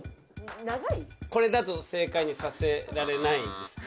これだと正解にさせられないんですよ。